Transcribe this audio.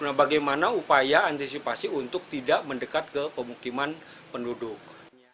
nah bagaimana upaya antisipasi untuk tidak mendekat ke pemukiman penduduk